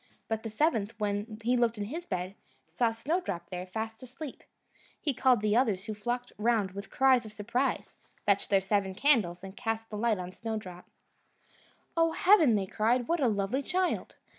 But the seventh, when he looked in his bed, saw Snowdrop there, fast asleep. He called the others, who flocked round with cries of surprise, fetched their seven candles, and cast the light on Snowdrop. "Oh, heaven!" they cried, "what a lovely child!"